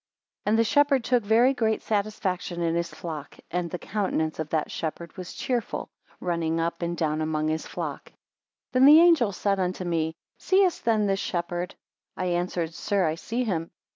9 And the shepherd took very great satisfaction in his flock; and the countenance of that shepherd was cheerful, running up and down among his flock. 10 Then the angel said unto me, Seest then this shepherd? I answered, sir, I see him.